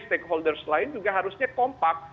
stakeholders lain juga harusnya kompak